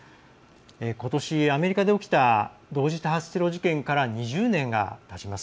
ことし、アメリカで起きた同時多発テロ事件から２０年がたちます。